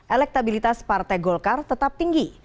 elektabilitas partai golkar tetap tinggi